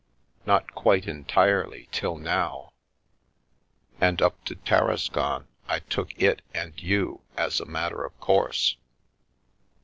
" Not quite entirely till now. And up to Tarascon I took it, and you, as a matter of course.